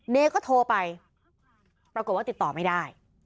เนก็โทรไปปรากฏว่าติดต่อไม่ได้